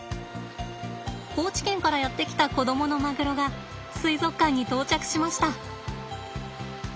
高知県からやって来た子どものマグロが水族館に到着しました。